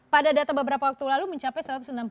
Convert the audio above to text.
pada data beberapa waktu lalu mencapai